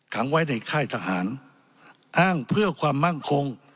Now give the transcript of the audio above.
ขังไว้ในค่ายทหารอ้างเพื่อความมั่งคง